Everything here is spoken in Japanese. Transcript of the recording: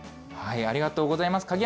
ありがとうございます。